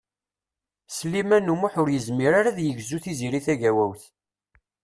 Sliman U Muḥ ur yezmir ara ad yegzu Tiziri Tagawawt.